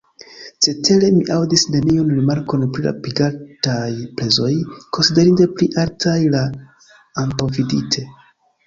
Cetere, mi aŭdis neniun rimarkon pri la pagitaj prezoj, konsiderinde pli altaj ol antaŭvidite.